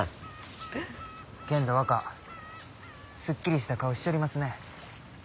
けんど若すっきりした顔しちょりますね。